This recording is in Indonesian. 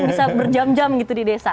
bisa berjam jam gitu di desa